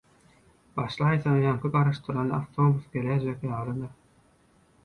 başlaýsaň ýaňky garaşdyran awtobus geläýjek ýalydyr.